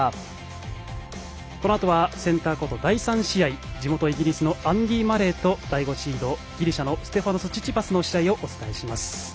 このあとはセンターコート第３試合地元イギリスのアンディ・マレーと第５シード、ギリシャのステファノス・チチパスの試合をお伝えします。